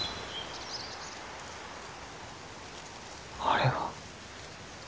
あれは。